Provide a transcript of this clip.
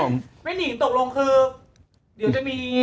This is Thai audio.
วันนี้ตกลงคือเดี๋ยวจะมี